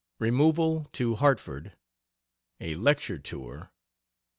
REMOVAL TO HARTFORD. A LECTURE TOUR.